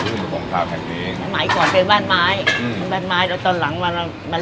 ที่สมภาพแห่งนี้หมายความเป็นบ้านไม้อืมบ้านไม้แล้วตอนหลังมา